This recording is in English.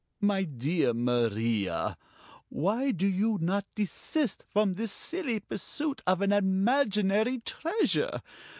"My dear Maria, why do you not desist from this silly pursuit of an imaginary treasure?